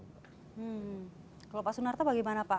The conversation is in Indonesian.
hmm kalau pak sunarto bagaimana pak